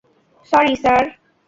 Sorry, sir!